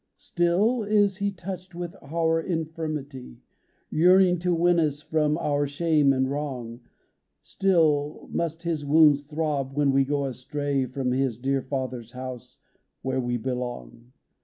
Stiil is He touched with our infirmity ; Yearning to win us from our shame and wrong, Still must His wounds throb, when we go astray From His dear Father's House, where we be long.